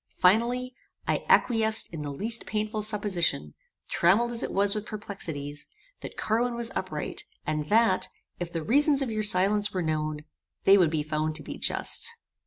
Finally, I acquiesced in the least painful supposition, trammelled as it was with perplexities, that Carwin was upright, and that, if the reasons of your silence were known, they would be found to be just."